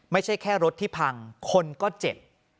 ไม่ใช่แค่รถที่พังคนก็เจ็บ